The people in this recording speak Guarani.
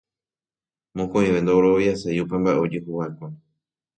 Mokõive ndogueroviaséi upe mbaʼe ojehuvaʼekue.